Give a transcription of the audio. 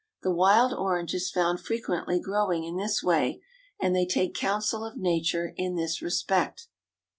The wild orange is found frequently growing in this way; and they take counsel of Nature in this respect.